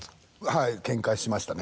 はいケンカしましたね